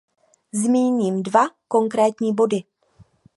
Zmíním dva konkrétní body.